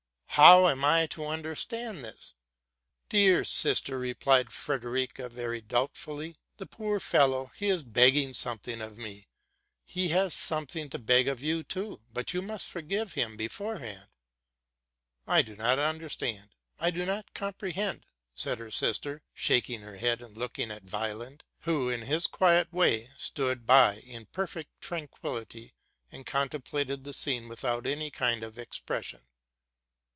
How am I to understand this ?''—'+ Dear sister,'' replied Frederica, very doubtfully, '* the poor fellow. He is begging something of me: he has something to beg of you too, but you must forgive him beforehand.'*— I do not understand, I do not comprehend,'' said her sister, shaking her head, and looking at Weyland, who, in his quiet way, stood by in perfect tran quillity, and contemplated the scene without any kind of expression.